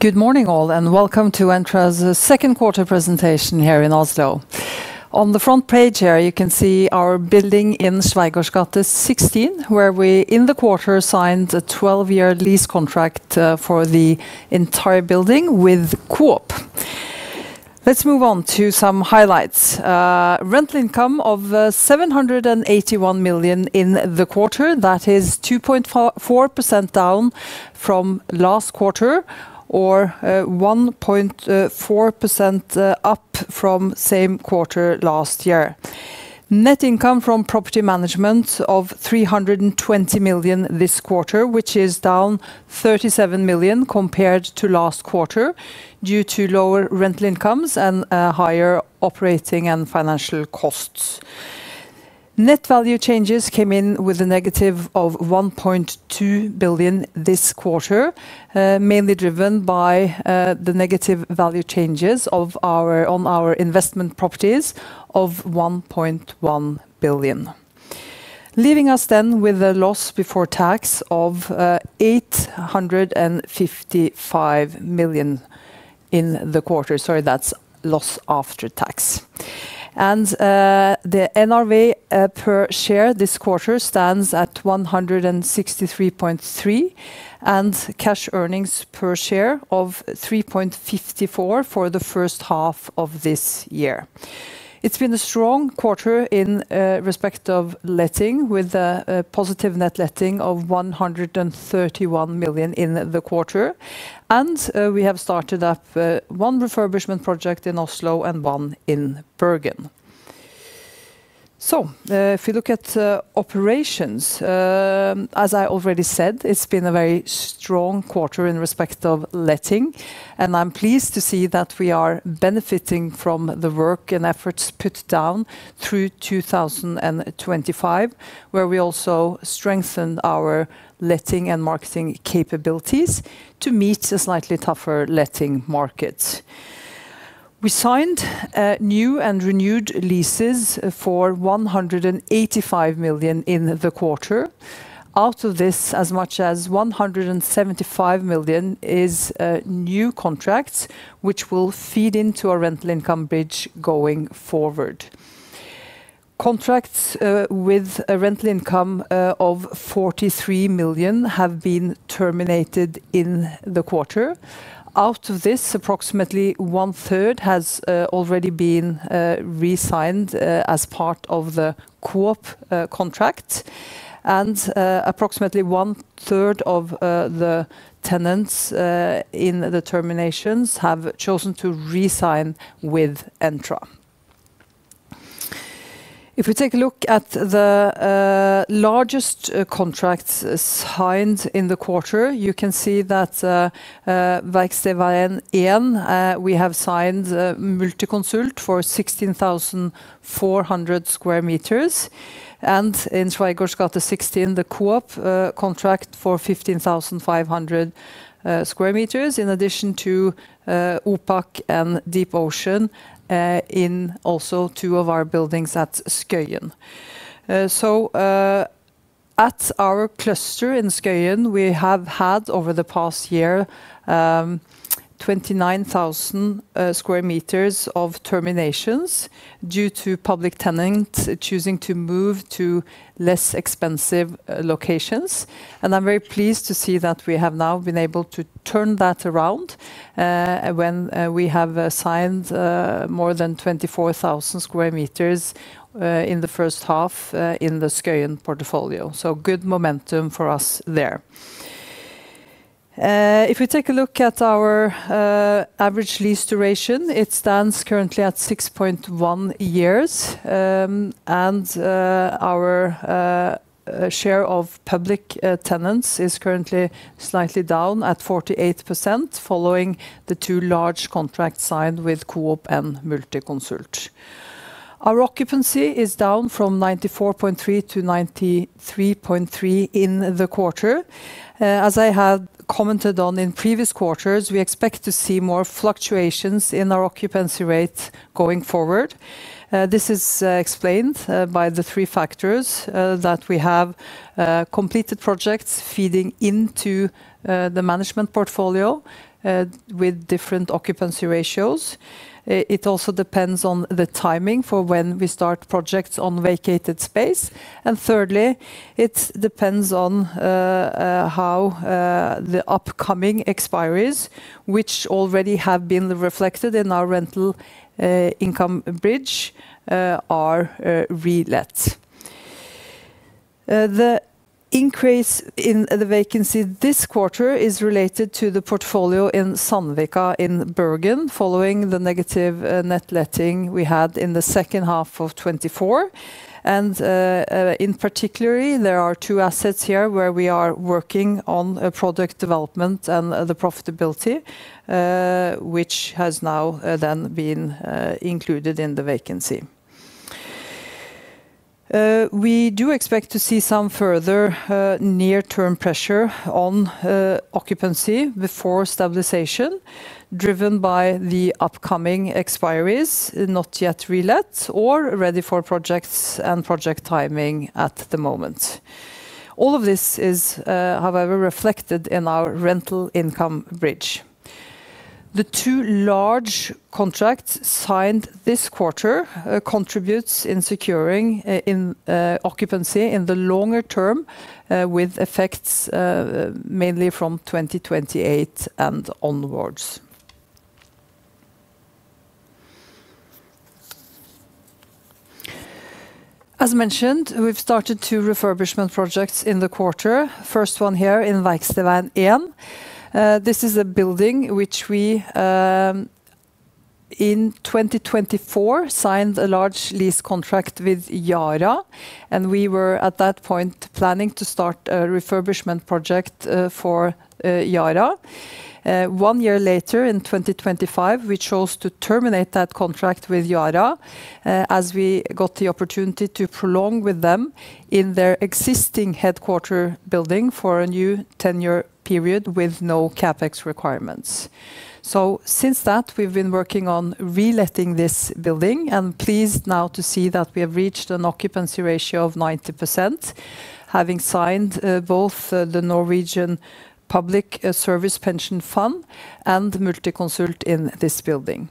Good morning all, and welcome to Entra's second quarter presentation here in Oslo. On the front page here you can see our building in Schweigaards gate 16, where we, in the quarter, signed a 12-year lease contract for the entire building with Coop. Let's move on to some highlights. Rental income of 781 million in the quarter. That is 2.4% down from last quarter, or 1.4% up from same quarter last year. Net income from property management of 320 million this quarter, which is down 37 million compared to last quarter, due to lower rental incomes and higher operating and financial costs. Net value changes came in with a negative of 1.2 billion this quarter, mainly driven by the negative value changes on our investment properties of 1.1 billion. Leaving us with a loss before tax of 855 million in the quarter. Sorry, that's loss after tax. The NRV per share this quarter stands at 163.3, and cash earnings per share of 3.54 for the first half of this year. It's been a strong quarter in respect of letting, with a positive net letting of 131 million in the quarter. We have started up one refurbishment project in Oslo and one in Bergen. If you look at operations, as I already said, it's been a very strong quarter in respect of letting. I'm pleased to see that we are benefiting from the work and efforts put down through 2025, where we also strengthened our letting and marketing capabilities to meet a slightly tougher letting market. We signed new and renewed leases for NOK 185 million in the quarter. Out of this, as much as 175 million is new contracts, which will feed into our rental income bridge going forward. Contracts with a rental income of 43 million have been terminated in the quarter. Out of this, approximately one third has already been resigned as part of the Coop contract. Approximately one third of the tenants in the terminations have chosen to resign with Entra. If we take a look at the largest contracts signed in the quarter, you can see that Verkstedveien 1, we have signed Multiconsult for 16,400 sq m, and in Schweigaards gate 16, the Coop contract for 15,500 sq m, in addition to OPAK and DeepOcean in also two of our buildings at Skøyen. At our cluster in Skøyen, we have had, over the past year, 29,000 sq m of terminations due to public tenants choosing to move to less expensive locations. I'm very pleased to see that we have now been able to turn that around when we have signed more than 24,000 sq m in the first half in the Skøyen portfolio. Good momentum for us there. If we take a look at our average lease duration, it stands currently at 6.1 years. Our share of public tenants is currently slightly down at 48%, following the two large contracts signed with Coop and Multiconsult. Our occupancy is down from 94.3 to 93.3 in the quarter. As I have commented on in previous quarters, we expect to see more fluctuations in our occupancy rate going forward. This is explained by the three factors that we have completed projects feeding into the management portfolio with different occupancy ratios. It also depends on the timing for when we start projects on vacated space. Thirdly, it depends on how the upcoming expiries, which already have been reflected in our rental income bridge, are relet. The increase in the vacancy this quarter is related to the portfolio in Sandvika in Bergen following the negative net letting we had in the second half of 2024. In particular, there are two assets here where we are working on a product development and the profitability, which has now then been included in the vacancy. We do expect to see some further near-term pressure on occupancy before stabilization. Driven by the upcoming expiries, not yet relet or ready for projects and project timing at the moment. This is, however, reflected in our rental income bridge. The two large contracts signed this quarter contributes in securing in occupancy in the longer term, with effects mainly from 2028 and onwards. As mentioned, we've started two refurbishment projects in the quarter. First one here in Verkstedveien 1. This is a building which we, in 2024, signed a large lease contract with Yara, We were at that point planning to start a refurbishment project for Yara. One year later, in 2025, we chose to terminate that contract with Yara, as we got the opportunity to prolong with them in their existing headquarter building for a new 10-year period with no CapEx requirements. Since that, we've been working on reletting this building, and pleased now to see that we have reached an occupancy ratio of 90%, having signed both the Norwegian Public Service Pension Fund and Multiconsult in this building.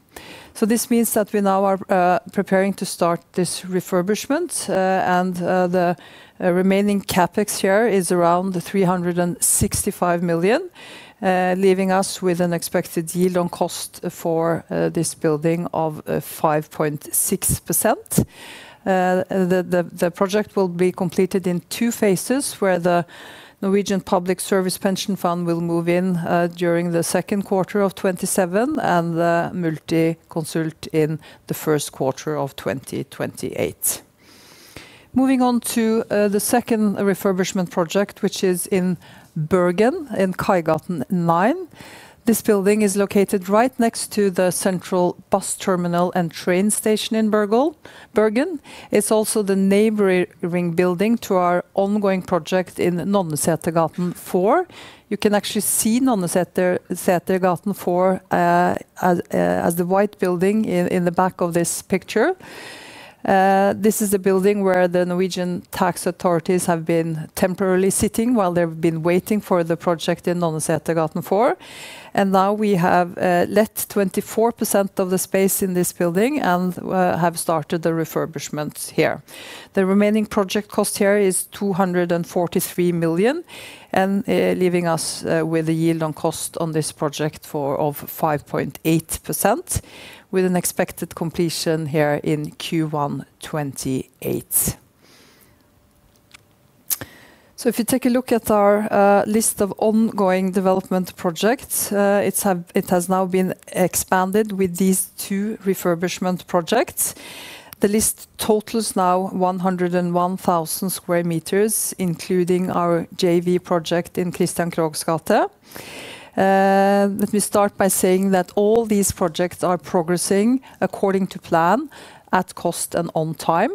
This means that we now are preparing to start this refurbishment. The remaining CapEx here is around 365 million, leaving us with an expected yield on cost for this building of 5.6%. The project will be completed in two phases, where the Norwegian Public Service Pension Fund will move in during the second quarter of 2027 and Multiconsult in the first quarter of 2028. Moving on to the second refurbishment project, which is in Bergen, in Kaigaten 9. This building is located right next to the central bus terminal and train station in Bergen. It's also the neighboring building to our ongoing project in Nonnesetergaten 4. You can actually see Nonnesetergaten 4 as the white building in the back of this picture. This is the building where the Norwegian tax authorities have been temporarily sitting while they've been waiting for the project in Nonnesetergaten 4. Now we have let 24% of the space in this building and have started the refurbishment here. The remaining project cost here is NOK 243 million, leaving us with a yield on cost on this project of 5.8%, with an expected completion here in Q1 2028. If you take a look at our list of ongoing development projects, it has now been expanded with these two refurbishment projects. The list totals now 101,000 sq m, including our JV project in Kristian Krohgs gate. Let me start by saying that all these projects are progressing according to plan at cost and on time.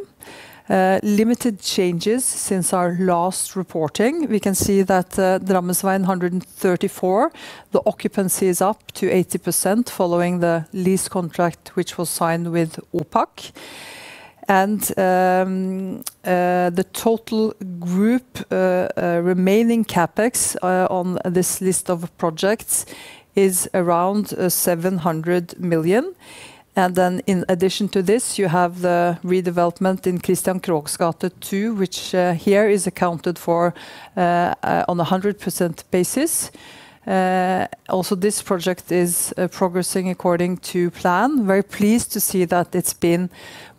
Limited changes since our last reporting. We can see that Drammensveien 134, the occupancy is up to 80% following the lease contract, which was signed with OPAK. The total group remaining CapEx on this list of projects is around 700 million. In addition to this, you have the redevelopment in Kristian Krohgs gate 2, which here is accounted for on 100% basis. Also, this project is progressing according to plan. Very pleased to see that it's been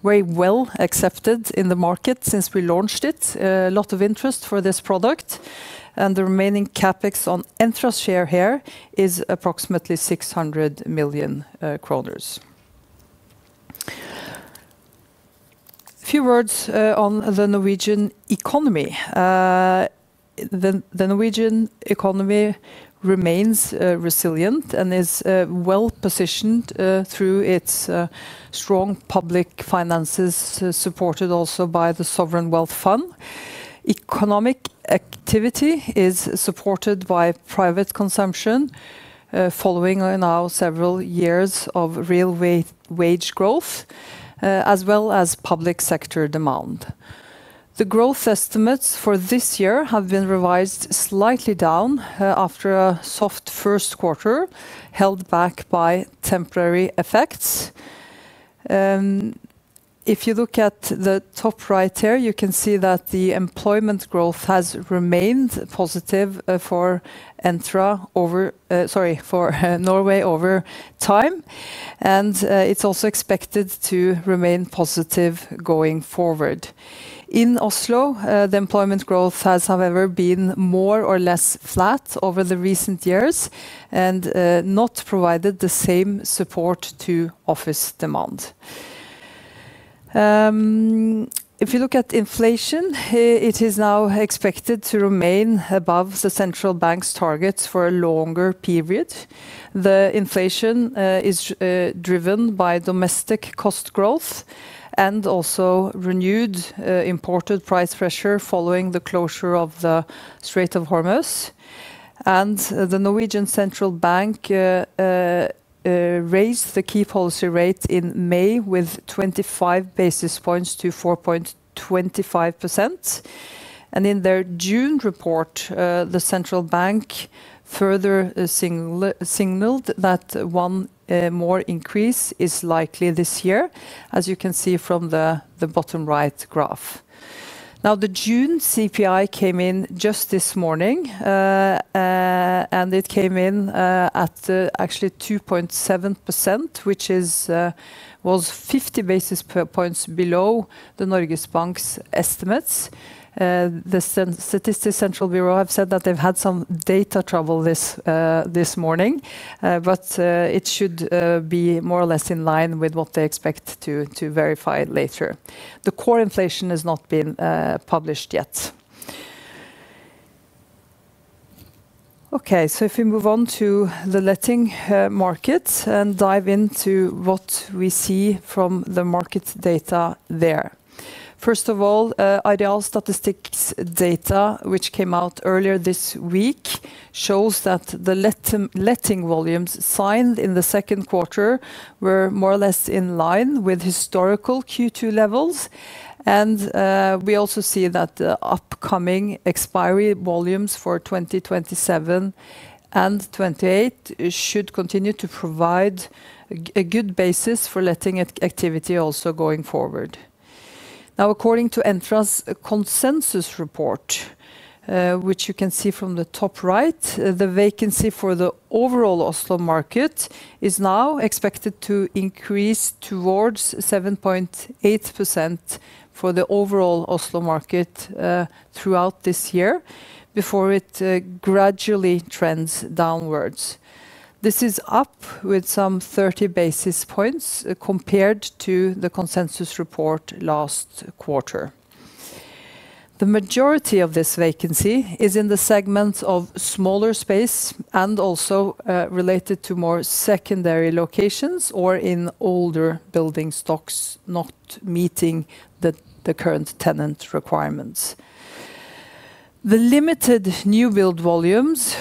very well accepted in the market since we launched it. A lot of interest for this product. The remaining CapEx on Entra's share here is approximately 600 million kroner. Few words on the Norwegian economy. The Norwegian economy remains resilient and is well positioned through its strong public finances, supported also by the sovereign wealth fund. Economic activity is supported by private consumption, following now several years of real wage growth, as well as public sector demand. The growth estimates for this year have been revised slightly down after a soft first quarter, held back by temporary effects. If you look at the top right here, you can see that the employment growth has remained positive for Entra over for Norway over time. It's also expected to remain positive going forward. In Oslo, the employment growth has, however, been more or less flat over the recent years and not provided the same support to office demand. If you look at inflation, it is now expected to remain above the Central Bank's targets for a longer period. The inflation is driven by domestic cost growth and also renewed imported price pressure following the closure of the Strait of Hormuz. The Norwegian Central Bank raised the key policy rate in May with 25 basis points to 4.25%. In their June report, the Central Bank further signaled that one more increase is likely this year, as you can see from the bottom right graph. The June CPI came in just this morning, and it came in at actually 2.7%, which was 50 basis points below the Norges Bank's estimates. Statistics Norway have said that they've had some data trouble this morning. It should be more or less in line with what they expect to verify later. The core inflation has not been published yet. If we move on to the letting markets and dive into what we see from the market data there. First of all, Arealstatistikk data, which came out earlier this week, shows that the letting volumes signed in the second quarter were more or less in line with historical Q2 levels. We also see that the upcoming expiry volumes for 2027 and 2028 should continue to provide a good basis for letting activity also going forward. According to Entra's consensus report, which you can see from the top right, the vacancy for the overall Oslo market is now expected to increase towards 7.8% for the overall Oslo market throughout this year, before it gradually trends downwards. This is up with some 30 basis points compared to the consensus report last quarter. The majority of this vacancy is in the segment of smaller space and also related to more secondary locations or in older building stocks, not meeting the current tenant requirements. The limited new build volumes,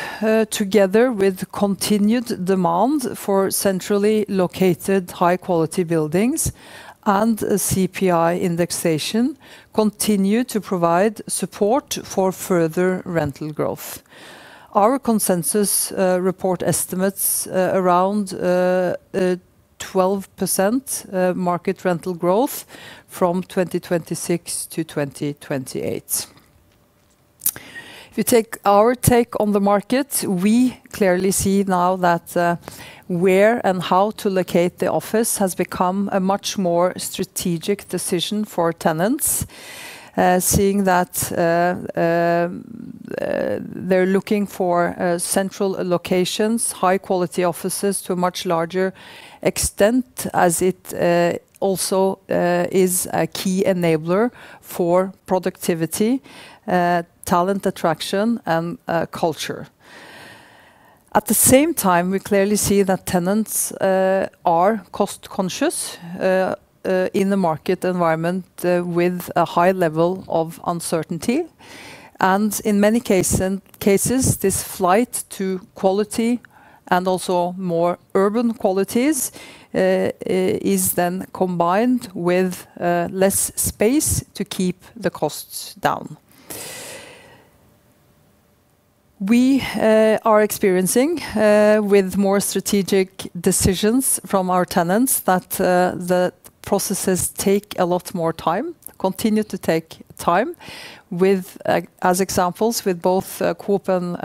together with continued demand for centrally located high-quality buildings and CPI indexation, continue to provide support for further rental growth. Our consensus report estimates around 12% market rental growth from 2026 to 2028. If you take our take on the market, we clearly see now that where and how to locate the office has become a much more strategic decision for tenants. Seeing that they're looking for central locations, high-quality offices, to a much larger extent, as it also is a key enabler for productivity, talent attraction, and culture. At the same time, we clearly see that tenants are cost-conscious in the market environment with a high level of uncertainty. In many cases, this flight to quality and also more urban qualities, is then combined with less space to keep the costs down. We are experiencing, with more strategic decisions from our tenants, that the processes take a lot more time, continue to take time. As examples, with both Coop and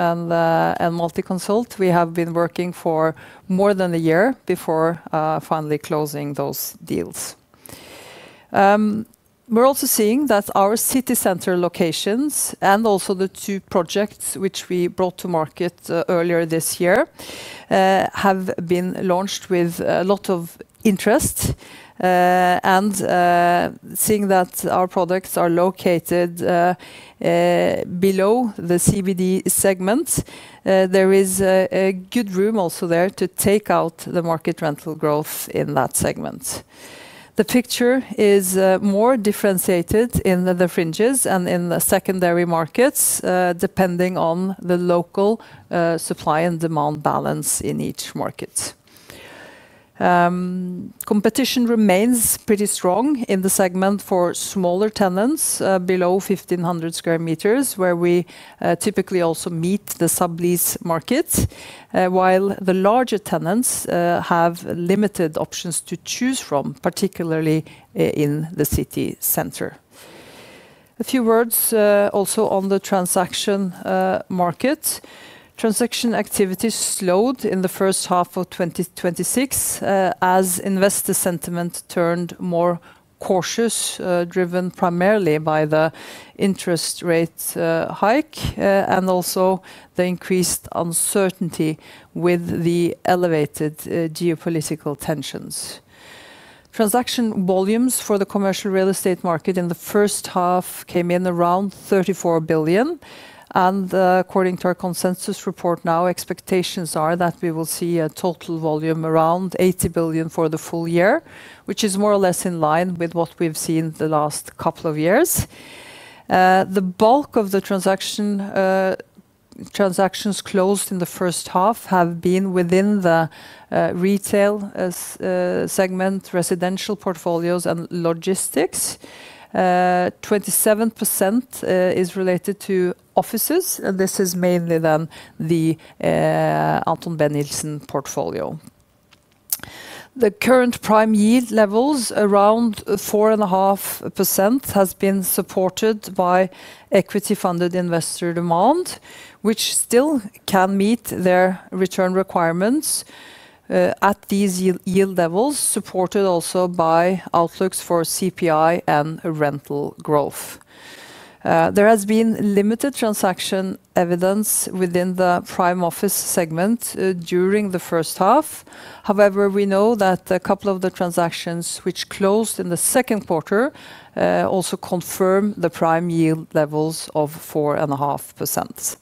Multiconsult, we have been working for more than one year before finally closing those deals. We're also seeing that our city center locations and also the two projects which we brought to market earlier this year, have been launched with a lot of interest. Seeing that our products are located below the CBD segments, there is a good room also there to take out the market rental growth in that segment. The picture is more differentiated in the fringes and in the secondary markets, depending on the local supply and demand balance in each market. Competition remains pretty strong in the segment for smaller tenants below 1,500 sq m, where we typically also meet the sublease markets. While the larger tenants have limited options to choose from, particularly in the city center. A few words also on the transaction markets. Transaction activity slowed in the first half of 2026, as investor sentiment turned more cautious, driven primarily by the interest rates hike and also the increased uncertainty with the elevated geopolitical tensions. Transaction volumes for the commercial real estate market in the first half came in around NOK 34 billion. According to our consensus report now, expectations are that we will see a total volume around 80 billion for the full year, which is more or less in line with what we've seen the last couple of years. The bulk of the Transactions closed in the first half have been within the retail segment, residential portfolios and logistics. 27% is related to offices, and this is mainly then the Anton B. Nilsen portfolio. The current prime yield levels, around 4.5%, has been supported by equity funded investor demand, which still can meet their return requirements at these yield levels, supported also by outlooks for CPI and rental growth. There has been limited transaction evidence within the prime office segment during the first half. However, we know that a couple of the transactions which closed in the second quarter also confirm the prime yield levels of 4.5%.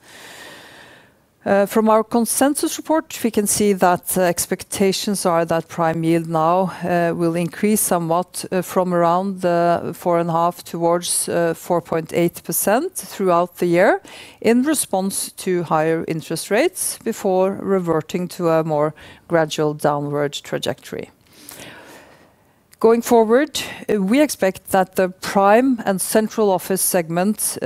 From our consensus report, we can see that expectations are that prime yield now will increase somewhat from around the 4.5%-4.8% throughout the year in response to higher interest rates before reverting to a more gradual downward trajectory. Going forward, we expect that the prime and central office segment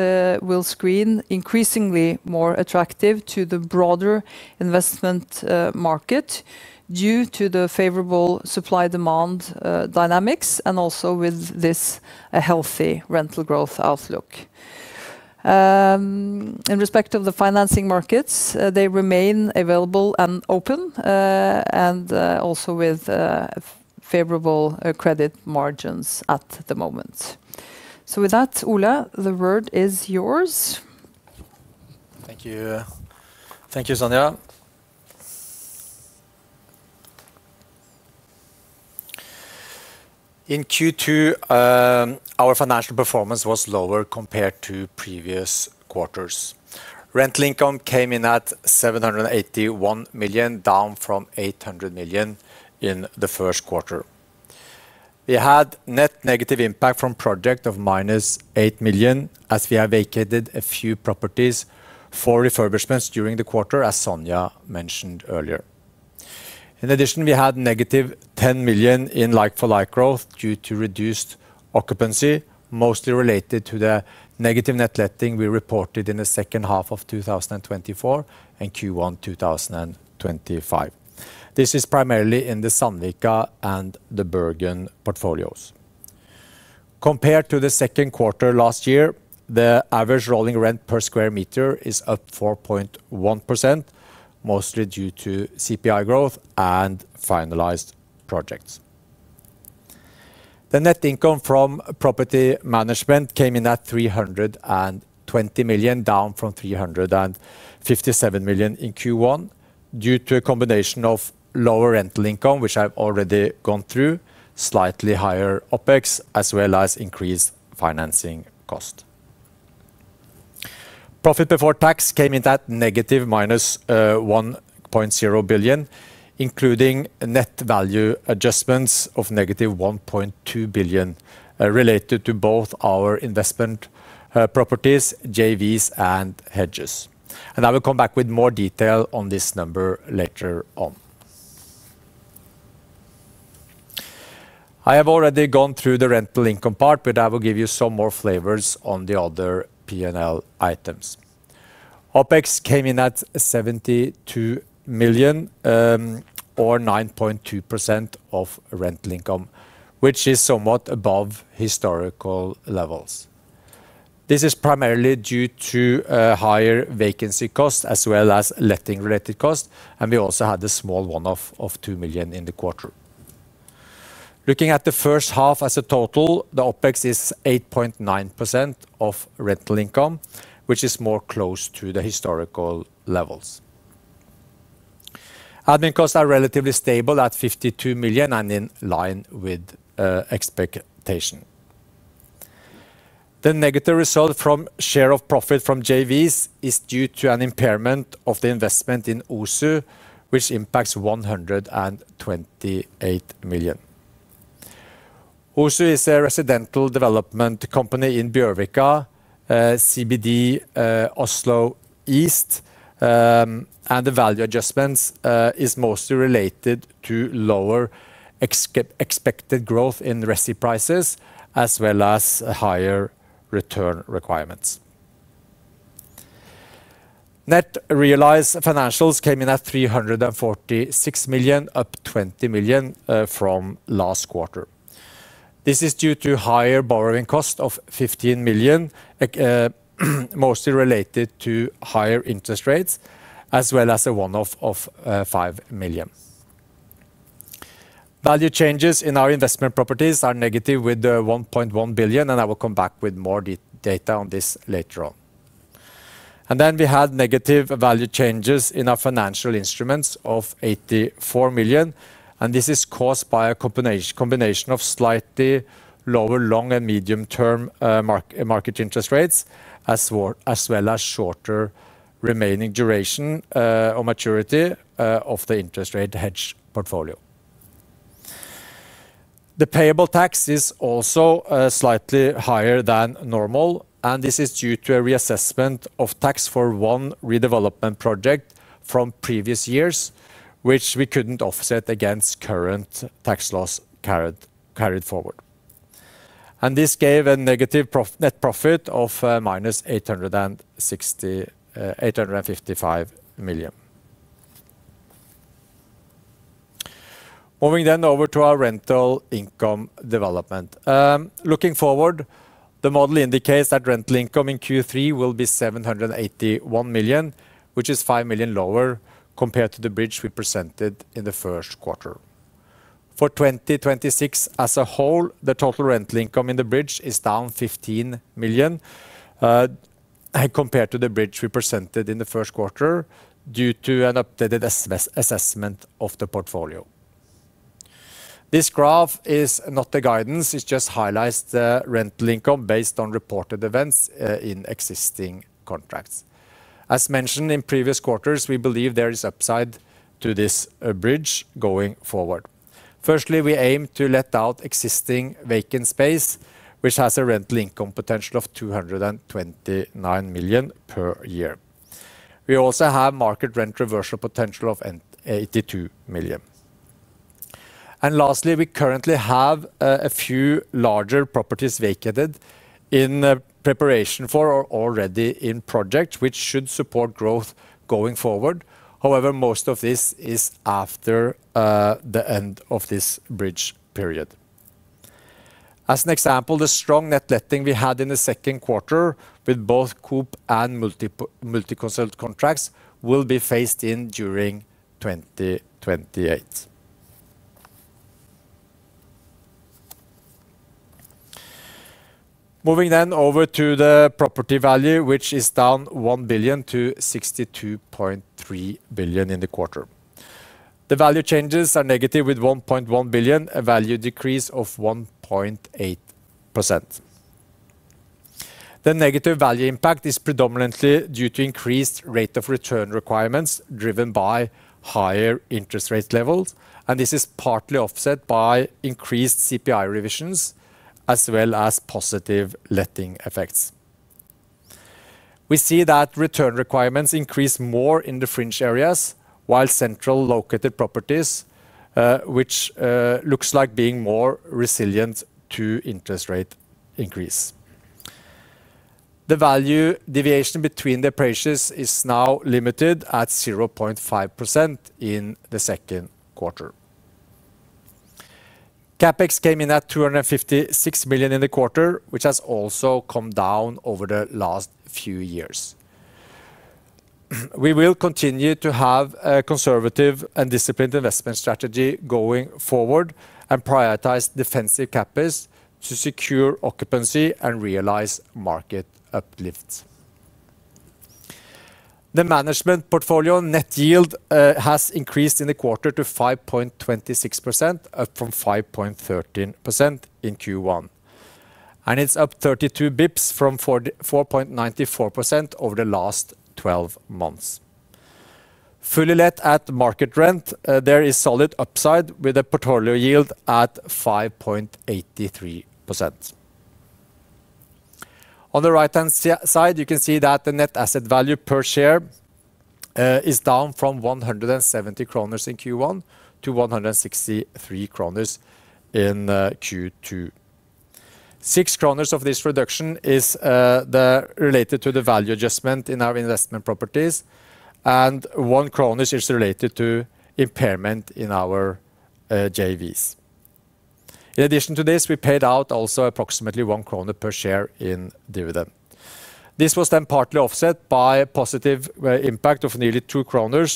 will screen increasingly more attractive to the broader investment market due to the favorable supply demand dynamics and also with this a healthy rental growth outlook. In respect of the financing markets, they remain available and open, also with favorable credit margins at the moment. With that, Ole, the word is yours. Thank you. Thank you, Sonja. In Q2, our financial performance was lower compared to previous quarters. Rent income came in at 781 million, down from 800 million in the first quarter. We had net negative impact from project of -8 million, as we have vacated a few properties for refurbishments during the quarter, as Sonja mentioned earlier. In addition, we had -10 million in like-for-like growth due to reduced occupancy, mostly related to the negative net letting we reported in the second half of 2024 and Q1 2025. This is primarily in the Sandvika and the Bergen portfolios. Compared to the second quarter last year, the average rolling rent per square meter is up 4.1%, mostly due to CPI growth and finalized projects. The net income from property management came in at 320 million, down from 357 million in Q1 due to a combination of lower rental income, which I've already gone through, slightly higher OpEx, as well as increased financing cost. Profit before tax came in at -1.0 billion, including net value adjustments of -1.2 billion related to both our investment properties, JVs, and hedges. I will come back with more detail on this number later on. I have already gone through the rental income part, but I will give you some more flavors on the other P&L items. OpEx came in at 72 million, or 9.2% of rental income, which is somewhat above historical levels. This is primarily due to higher vacancy costs as well as letting related costs. We also had the small one-off of 2 million in the quarter. Looking at the first half as a total, the OpEx is 8.9% of rental income, which is more close to the historical levels. Admin costs are relatively stable at 52 million and in line with expectation. The negative result from share of profit from JVs is due to an impairment of the investment in OSU, which impacts 128 million. OSU is a residential development company in Bjørvika, CBD, Oslo East. The value adjustments is mostly related to lower expected growth in resi prices as well as higher return requirements. Net realized financials came in at 346 million, up 20 million from last quarter. This is due to higher borrowing cost of 15 million, mostly related to higher interest rates, as well as a one-off of 5 million. Value changes in our investment properties are negative with 1.1 billion. I will come back with more data on this later on. We had negative value changes in our financial instruments of 84 million. This is caused by a combination of slightly lower long and medium term market interest rates, as well as shorter remaining duration or maturity of the interest rate hedge portfolio. The payable tax is also slightly higher than normal. This is due to a reassessment of tax for one redevelopment project from previous years, which we couldn't offset against current tax laws carried forward. This gave a negative net profit of -855 million. Moving over to our rental income development. Looking forward, the model indicates that rental income in Q3 will be 781 million, which is 5 million lower compared to the bridge we presented in the first quarter. For 2026 as a whole, the total rental income in the bridge is down 15 million compared to the bridge we presented in the first quarter due to an updated assessment of the portfolio. This graph is not the guidance, it just highlights the rental income based on reported events in existing contracts. As mentioned in previous quarters, we believe there is upside to this bridge going forward. Firstly, we aim to let out existing vacant space, which has a rental income potential of 229 million per year. We also have market rent reversal potential of 82 million. Lastly, we currently have a few larger properties vacated in preparation for or already in project, which should support growth going forward. However, most of this is after the end of this bridge period. As an example, the strong net letting we had in the second quarter with both Coop and Multiconsult contracts will be phased in during 2028. Moving over to the property value, which is down 1 billion to 62.3 billion in the quarter. The value changes are negative with 1.1 billion, a value decrease of 1.8%. The negative value impact is predominantly due to increased rate of return requirements driven by higher interest rate levels. This is partly offset by increased CPI revisions as well as positive letting effects. We see that return requirements increase more in the fringe areas while central located properties, which looks like being more resilient to interest rate increase. The value deviation between the prices is now limited at 0.5% in the second quarter. CapEx came in at 256 million in the quarter, which has also come down over the last few years. We will continue to have a conservative and disciplined investment strategy going forward and prioritize defensive CapEx to secure occupancy and realize market uplifts. The management portfolio net yield has increased in the quarter to 5.26%, up from 5.13% in Q1. It's up 32 basis points from 4.94% over the last 12 months. Fully let at market rent, there is solid upside with a portfolio yield at 5.83%. On the right-hand side, you can see that the net asset value per share is down from 170 kroner in Q1 to 163 kroner in Q2. 6 kroner of this reduction is related to the value adjustment in our investment properties, and 1 is related to impairment in our JVs. In addition to this, we paid out also approximately one NOK per share in dividend. This was then partly offset by a positive impact of nearly two NOK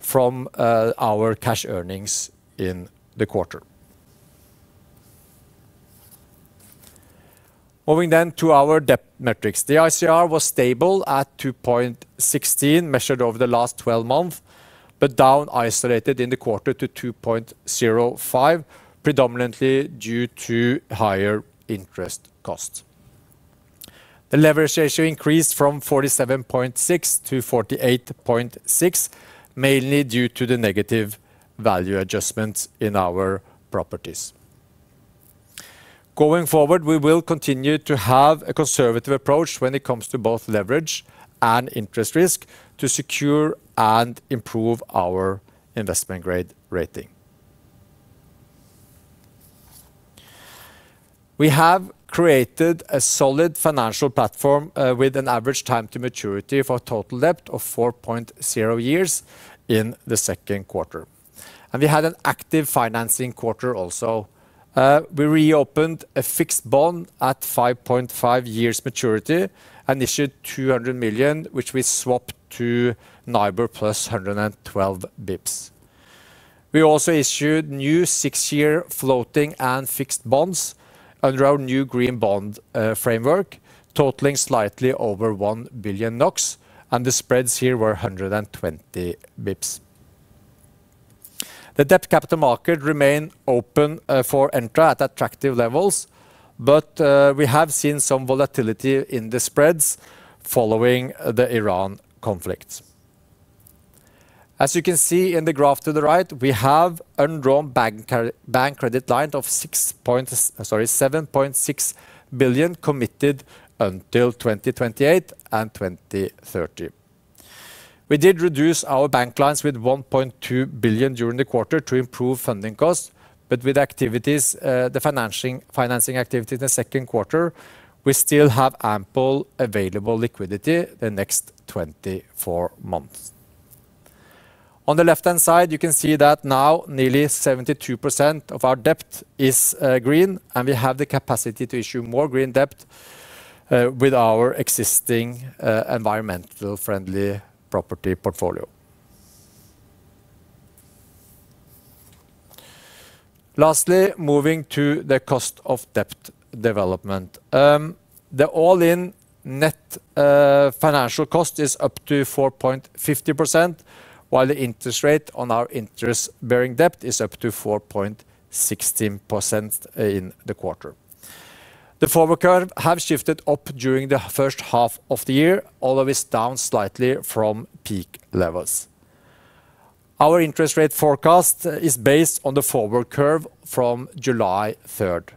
from our cash earnings in the quarter. Moving to our debt metrics. The ICR was stable at 2.16, measured over the last 12 months, but down isolated in the quarter to 2.05, predominantly due to higher interest costs. The leverage ratio increased from 47.6 to 48.6, mainly due to the negative value adjustments in our properties. Going forward, we will continue to have a conservative approach when it comes to both leverage and interest risk to secure and improve our investment-grade rating. We have created a solid financial platform with an average time to maturity for total debt of 4.0 years in the second quarter. We had an active financing quarter also. We reopened a fixed bond at 5.5 years maturity and issued 200 million, which we swapped to NIBOR +112 basis points. We also issued new six-year floating and fixed bonds under our new green bond framework, totaling slightly over 1 billion NOK, and the spreads here were 120 basis points. The debt capital market remain open for Entra at attractive levels, but we have seen some volatility in the spreads following the Iran conflict. As you can see in the graph to the right, we have undrawn bank credit line of 7.6 billion committed until 2028 and 2030. We did reduce our bank lines with 1.2 billion during the quarter to improve funding costs. But with the financing activity in the second quarter, we still have ample available liquidity the next 24 months. On the left-hand side, you can see that now nearly 72% of our debt is green, and we have the capacity to issue more green debt with our existing environmental-friendly property portfolio. Lastly, moving to the cost of debt development. The all-in net financial cost is up to 4.50%, while the interest rate on our interest-bearing debt is up to 4.16% in the quarter. The forward curve have shifted up during the first half of the year, although it's down slightly from peak levels. Our interest rate forecast is based on the forward curve from July 3rd.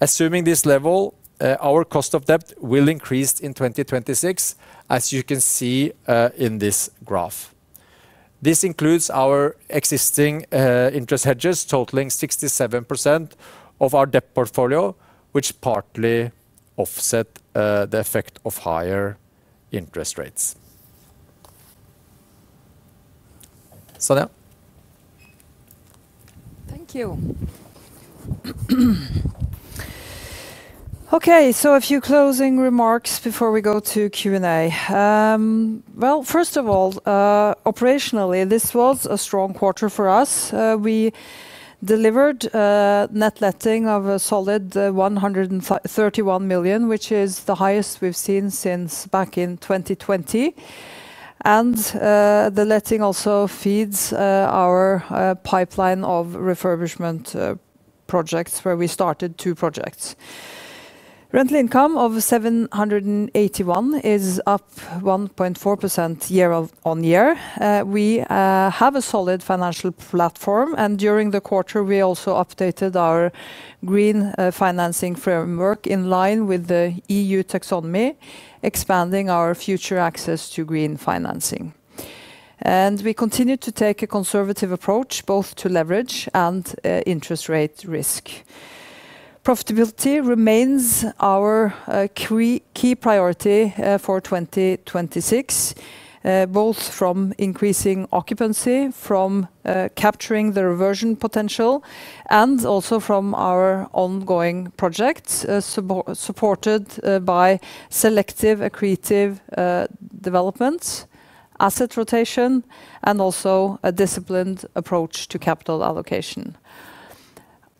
Assuming this level, our cost of debt will increase in 2026, as you can see in this graph. This includes our existing interest hedges totaling 67% of our debt portfolio, which partly offset the effect of higher interest rates. Sonja. Thank you. Okay, a few closing remarks before we go to Q&A. First of all, operationally, this was a strong quarter for us. We delivered net letting of a solid 131 million, which is the highest we've seen since back in 2020. The letting also feeds our pipeline of refurbishment projects, where we started two projects. Rental income of 781 is up 1.4% year-on-year. We have a solid financial platform, and during the quarter, we also updated our green financing framework in line with the EU Taxonomy, expanding our future access to green financing. We continue to take a conservative approach both to leverage and interest rate risk. Profitability remains our key priority for 2026, both from increasing occupancy from capturing the reversion potential and also from our ongoing projects, supported by selective accretive developments, asset rotation, and also a disciplined approach to capital allocation.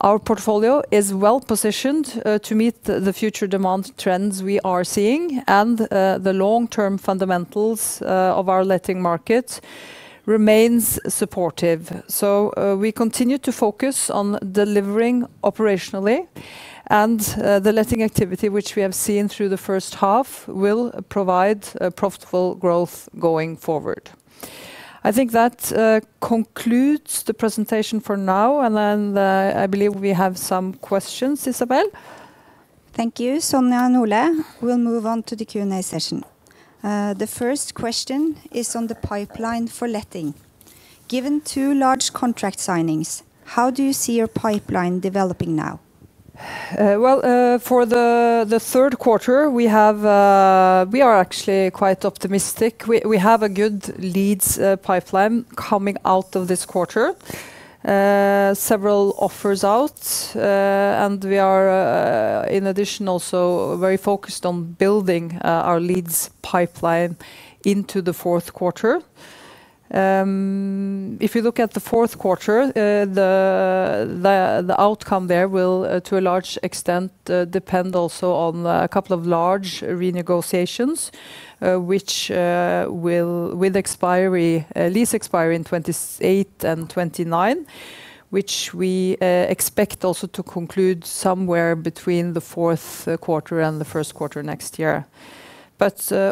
Our portfolio is well positioned to meet the future demand trends we are seeing and the long-term fundamentals of our letting market remains supportive. We continue to focus on delivering operationally and the letting activity which we have seen through the first half will provide profitable growth going forward. I think that concludes the presentation for now, then I believe we have some questions. Isabel? Thank you, Sonja and Ole. We will move on to the Q&A session. The first question is on the pipeline for letting. Given two large contract signings, how do you see your pipeline developing now? Well, for the third quarter, we are actually quite optimistic. We have a good leads pipeline coming out of this quarter. Several offers out. We are, in addition, also very focused on building our leads pipeline into the fourth quarter. If you look at the fourth quarter, the outcome there will, to a large extent, depend also on a couple of large renegotiations, with lease expiry in 2028 and 2029, which we expect also to conclude somewhere between the fourth quarter and the first quarter next year.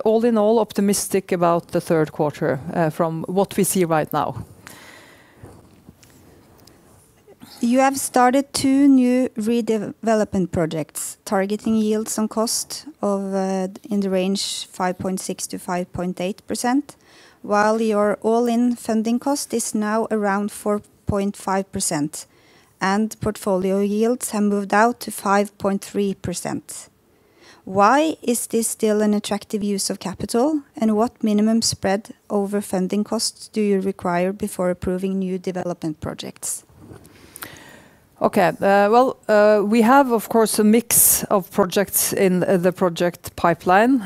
All in all, optimistic about the third quarter from what we see right now. You have started two new redevelopment projects targeting yield on cost in the range 5.6%-5.8%, while your all-in funding cost is now around 4.5%, and portfolio yields have moved out to 5.3%. Why is this still an attractive use of capital? What minimum spread over funding costs do you require before approving new development projects? Well, we have, of course, a mix of projects in the project pipeline.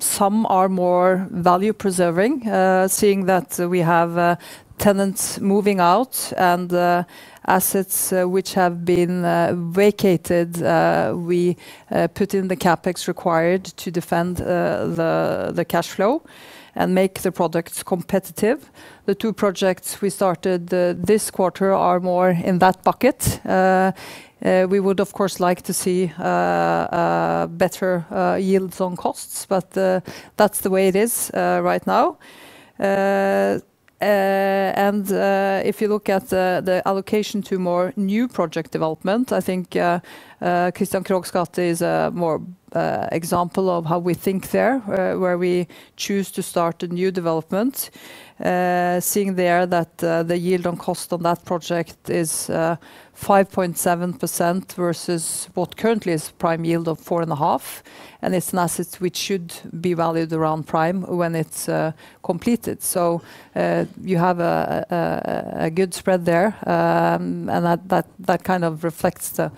Some are more value preserving. Seeing that we have tenants moving out and assets which have been vacated, we put in the CapEx required to defend the cash flow and make the products competitive. The two projects we started this quarter are more in that bucket. We would, of course, like to see better yields on costs. That's the way it is right now. If you look at the allocation to more new project development, I think Kristian Krohgs gate is a more example of how we think there, where we choose to start a new development. Seeing there that the yield on cost on that project is 5.7% versus what currently is prime yield of 4.5%. It's an asset which should be valued around prime when it's completed. You have a good spread there, and that kind of reflects the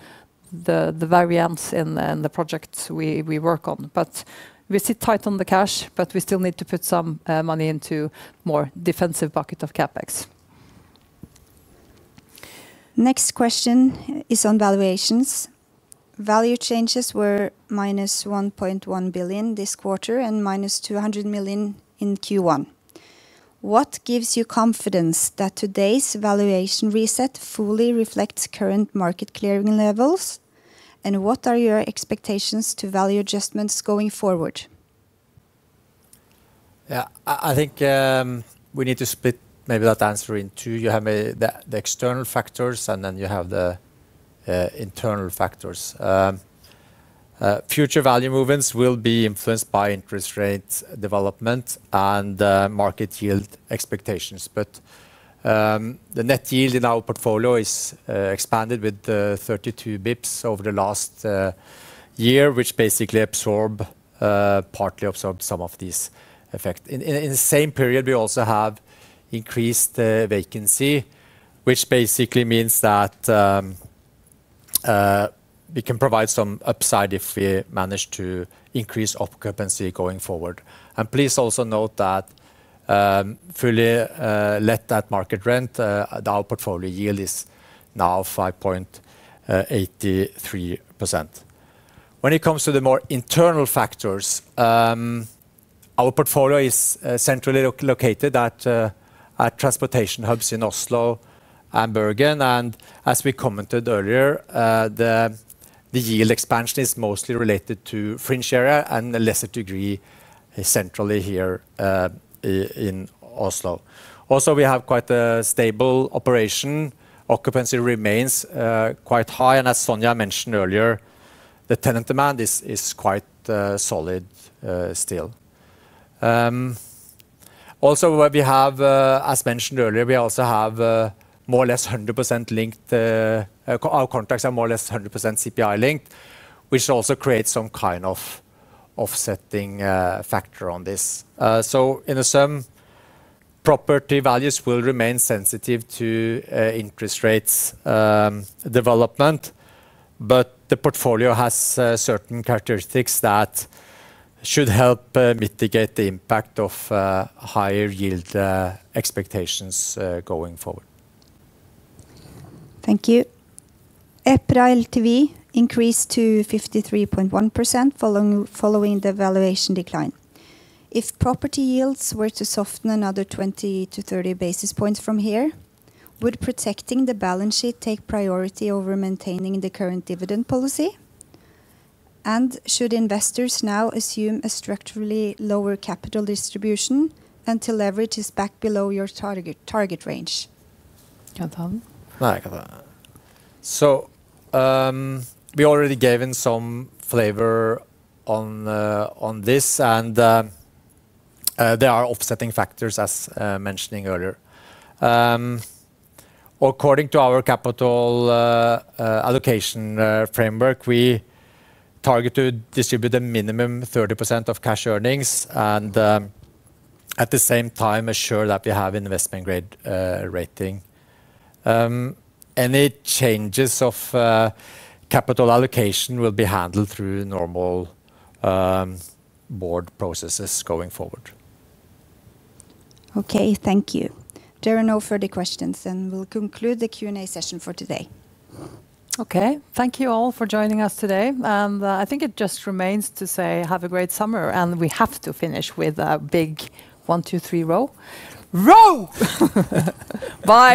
variance in the projects we work on. We sit tight on the cash, but we still need to put some money into more defensive bucket of CapEx. Next question is on valuations. Value changes were minus 1.1 billion this quarter and minus 200 million in Q1. What gives you confidence that today's valuation reset fully reflects current market clearing levels? What are your expectations to value adjustments going forward? I think we need to split maybe that answer in two. You have the external factors, and then you have the internal factors. Future value movements will be influenced by interest rates development and market yield expectations. The net yield in our portfolio is expanded with 32 basis points over the last year, which basically partly absorbed some of these effects. In the same period, we also have increased vacancy, which basically means that we can provide some upside if we manage to increase occupancy going forward. Please also note that fully let that market rent, our portfolio yield is now 5.83%. When it comes to the more internal factors, our portfolio is centrally located at transportation hubs in Oslo and Bergen. As we commented earlier, the yield expansion is mostly related to fringe area and a lesser degree centrally here in Oslo. We have quite a stable operation. Occupancy remains quite high, and as Sonja mentioned earlier, the tenant demand is quite solid still. As mentioned earlier, our contracts are more or less 100% CPI linked, which also creates some kind of offsetting factor on this. In a sum, property values will remain sensitive to interest rates development, but the portfolio has certain characteristics that should help mitigate the impact of higher yield expectations going forward. Thank you. EPRA LTV increased to 53.1% following the valuation decline. If property yields were to soften another 20 to 30 basis points from here, would protecting the balance sheet take priority over maintaining the current dividend policy? Should investors now assume a structurally lower capital distribution until leverage is back below your target range? We already gave some flavor on this, and there are offsetting factors as mentioned earlier. According to our capital allocation framework, we target to distribute a minimum 30% of cash earnings and at the same time ensure that we have investment-grade rating. Any changes to capital allocation will be handled through normal board processes going forward. Okay, thank you. There are no further questions. We'll conclude the Q&A session for today. Okay. Thank you all for joining us today, and I think it just remains to say have a great summer, and we have to finish with a big one, two, three RO. RO. Bye